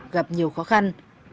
gặp nhiều khó khăn